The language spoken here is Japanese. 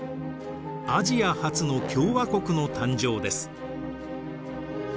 アジア初の共和国の誕生です。